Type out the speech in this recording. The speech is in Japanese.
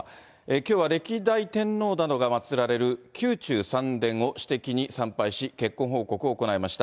きょうは歴代天皇などが祭られる宮中三殿を私的に参拝し、結婚報告を行いました。